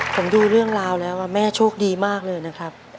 ผมดูเรื่องราวแล้วแม่โชคดีมากเลยนะครับ